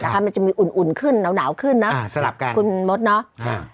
ค่ะมันจะมีอุ่นอุ่นขึ้นหนาวหนาวขึ้นนะสลับกันคุณมศเนอะอ่า